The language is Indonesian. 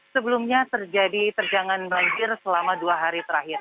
sebelumnya terjadi terjangan banjir selama dua hari terakhir